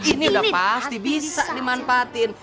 ini udah pasti bisa dimanfaatin